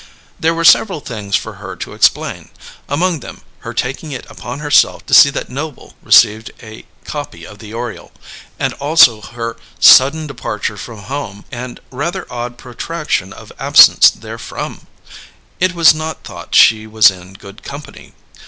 There were several things for her to explain; among them, her taking it upon herself to see that Noble received a copy of the Oriole, and also her sudden departure from home and rather odd protraction of absence therefrom. It was not thought she was in good company.